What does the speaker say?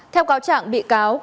theo cáo trạng bị cáo cao văn tĩnh